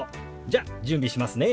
じゃ準備しますね。